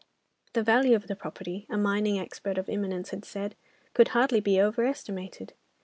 The value of the property, a mining expert of eminence had said, could hardly be over estimated.